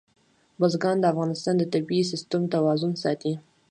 بزګان د افغانستان د طبعي سیسټم توازن ساتي.